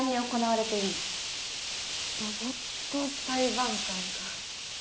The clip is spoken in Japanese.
ロボット裁判官か。